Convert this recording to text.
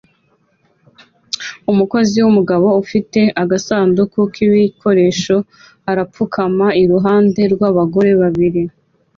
Umukozi wumugabo ufite agasanduku k'ibikoresho arapfukama iruhande rw'abagore babiri